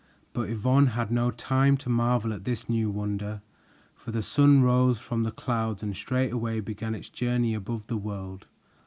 But Yvonne had no time to marvel at this new wonder, for the sun rose from the clouds and straightway began its journey above the world.